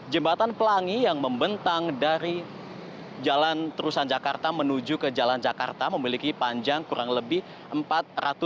jembatan pelangi yang membentang dari jalan terusan jakarta menuju ke jalan jakarta memiliki panjang kurang lebih empat ratus meter